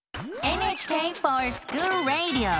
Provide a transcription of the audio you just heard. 「ＮＨＫｆｏｒＳｃｈｏｏｌＲａｄｉｏ」！